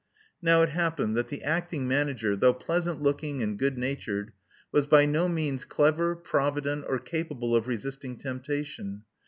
Now it happened that the acting manager, though pleasant looking and good natured, was by no means clever, provident, or capable of resisting temptation.